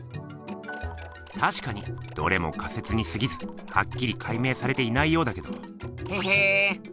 たしかにどれも仮説にすぎずハッキリ解明されていないようだけど。へへっ！